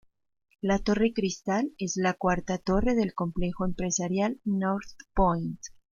La Torre Krystal es la cuarta torre del complejo empresarial North Point.